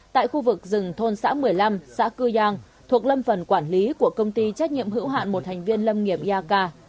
tại khu vực rừng thôn xã một mươi năm xã cư giang thuộc lâm phần quản lý của công ty trách nhiệm hữu hạn một thành viên lâm nghiệp yaka